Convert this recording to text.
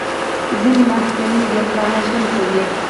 ځینې محصلین بې پلانه ژوند کوي.